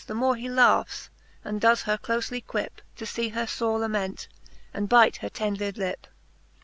The more he laughs, aud does her clofely quip. To fee her fore lament, and bite her tender lip.